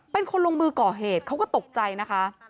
เป็นคนลงมือก่อเหตุเขาก็ตกใจนะคะ